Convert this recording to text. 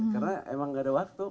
karena emang gak ada waktu